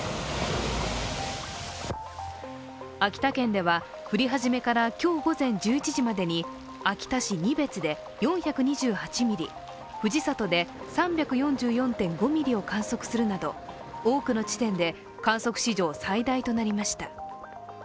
秋田県では降り始めから今日地も１１時までに秋田市仁別で４２８ミリ、藤里で３４４．５ミリを観測するなど多くの地点で観測史上最大となりました。